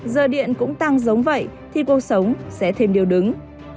giờ điện cũng tăng giống vậy thì cuộc sống sẽ thêm điều đứng